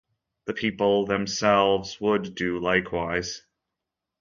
The people themselves would do likewise.